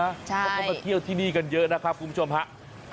เราต้องเราต้องมาเที่ยวที่นี่เยอะนะครับคุณผู้ชมครับ